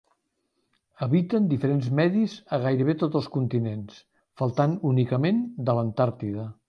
Habiten diferents medis a gairebé tots els continents, faltant únicament de l'Antàrtida.